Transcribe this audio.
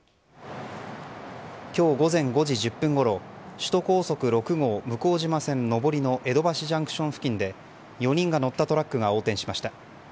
今日午前５時１０分ごろ首都高速６号向島線上りの江戸橋ＪＣＴ付近で４人が乗ったトラックが横転しました。